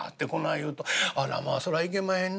言うと『あらまあそらいけまへんな。